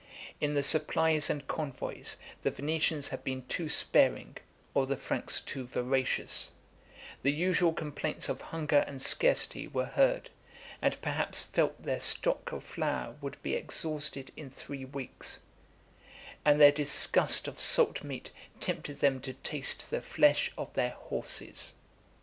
In the supplies and convoys the Venetians had been too sparing, or the Franks too voracious: the usual complaints of hunger and scarcity were heard, and perhaps felt their stock of flour would be exhausted in three weeks; and their disgust of salt meat tempted them to taste the flesh of their horses.